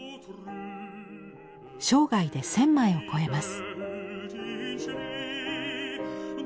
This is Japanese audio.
生涯で１，０００枚を超えます。